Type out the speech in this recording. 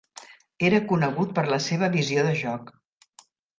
Era conegut per la seva visió de joc.